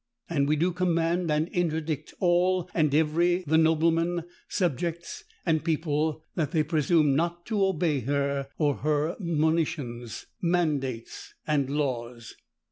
And we do command and interdict all and every the noblemen, subjects, and people, that they presume not to obey her, or her monitions, mandates, and laws."